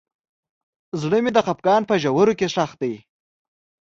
زړه مې د خفګان په ژورو کې ښخ دی.